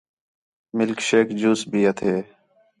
مِلک شیک جوس بھی ہَتھے